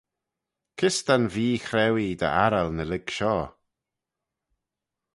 Kys ta'n veechrauee dy arral ny lurg shoh?